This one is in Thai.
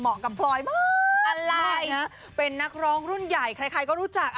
กับพลอยมากอะไรนะเป็นนักร้องรุ่นใหญ่ใครก็รู้จัก